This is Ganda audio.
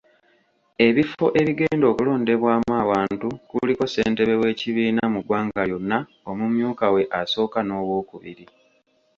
Ebifo ebigenda okulondebwamu abantu kuliko Ssentebe w’ekibiina mu ggwanga lyonna, omumyuka we asooka n’owookubiri.